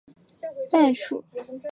代数数域是域的一类。